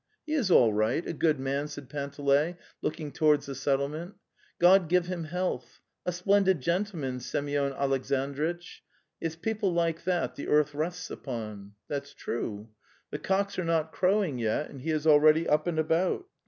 'He is all right, a good man," said Panteley, looking towards the settlement. '' God give him health —a splendid gentleman, Semyon Alexan dritch. ... It's people like that the earth rests upon. 'That's true. . 2. Vhe cocks are not \crow ing yet, and he is already up and about.